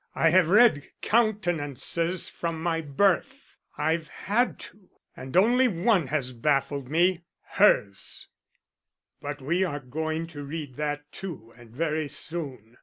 I have read countenances from my birth. I've had to, and only one has baffled me hers. But we are going to read that too and very soon.